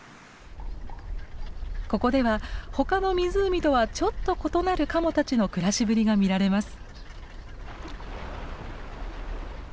ここでは他の湖とはちょっと異なるカモたちの暮らしぶりが見られます。